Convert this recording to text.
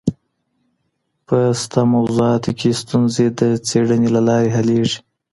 په شته موضوعاتو کي ستونزي د څېړني له لاري حلېږي.